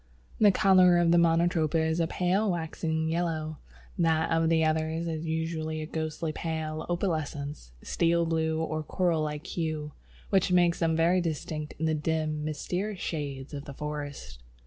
The colour of Monotropa is a pale waxen yellow, that of the others is usually a ghostly pale, opalescent, steel blue or coral like hue, which makes them very distinct in the dim, mysterious shades of the forest.